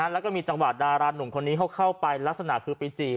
แล้วก็มีจังหวะดารานุ่มคนนี้เขาเข้าไปลักษณะคือไปจีบ